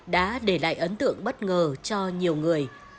để lại ấn tượng bất ngờ cho nhiều người